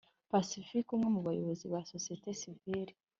pacifique umwe mu bayobozi ba sosiyete sivile